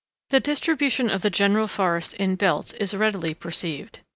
The distribution of the general forest in belts is readily perceived.